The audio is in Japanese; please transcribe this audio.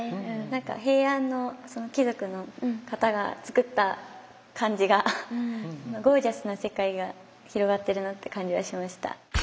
何か平安の貴族の方がつくった感じがゴージャスな世界が広がってるなって感じはしました。